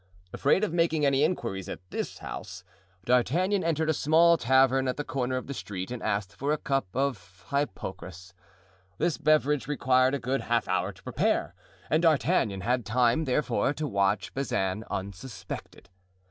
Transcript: Afraid of making any inquiries at this house, D'Artagnan entered a small tavern at the corner of the street and asked for a cup of hypocras. This beverage required a good half hour to prepare. And D'Artagnan had time, therefore, to watch Bazin unsuspected.